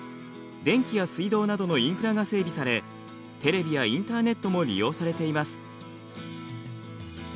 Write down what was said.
電気や水道などのインフラが整備されテレビやインターネットも利用されています。